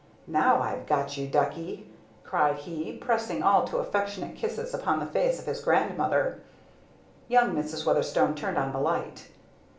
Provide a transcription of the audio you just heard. "Now I've got you, Ducky!" cried he, pressing all too affectionate kisses upon the face of his grandmother. Young Mrs. Weatherstone turned on the light.